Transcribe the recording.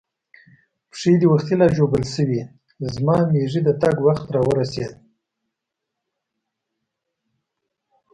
پښې دې وختي لا ژوبل شوې، زما مېږي د تګ وخت را ورسېد.